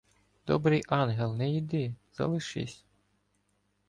Добрий ангел не іди, залишись...